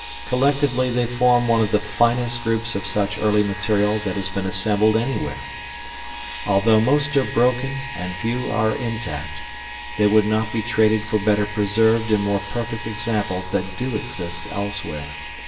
Collectively they form one of the finest groups of such early material that has been assembled anywhere. Although most are broken and few are intact, they would not be traded for better preserved and more perfect examples that do exist elsewhere.